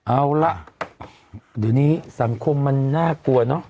เอาล่ะเดี๋ยวนี้สังคมมันน่ากลัวเนอะ